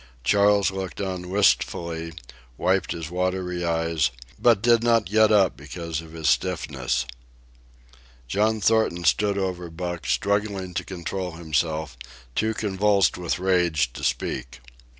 Charles looked on wistfully, wiped his watery eyes, but did not get up because of his stiffness. John Thornton stood over Buck, struggling to control himself, too convulsed with rage to speak.